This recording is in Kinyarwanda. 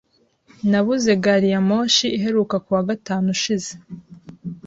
Nabuze gari ya moshi iheruka kuwa gatanu ushize.